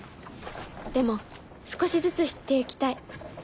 でも少しずつ知って行きたい。